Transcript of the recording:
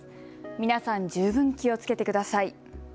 皆さん、十分気をつけてください。